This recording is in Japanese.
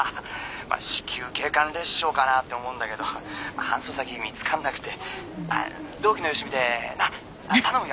「まあ子宮頸管裂傷かなって思うんだけど搬送先見つからなくて」「同期のよしみでなっ頼むよ」